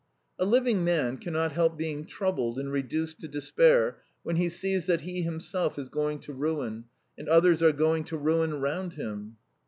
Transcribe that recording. "A living man cannot help being troubled and reduced to despair when he sees that he himself is going to ruin and others are going to ruin round him."